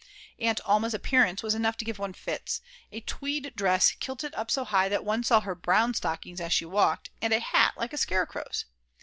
Aunt Alma's appearance was enough to give one fits, a tweed dress kilted up so high that one saw her brown stockings as she walked, and a hat like a scarecrow's.